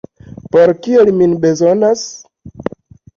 Por kio li min bezonas?